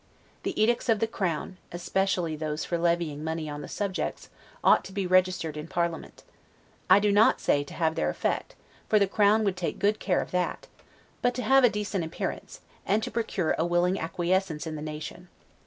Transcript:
The edicts of the Crown, especially those for levying money on the subjects, ought to be registered in parliament; I do not say to have their effect, for the Crown would take good care of that; but to have a decent appearance, and to procure a willing acquiescence in the nation.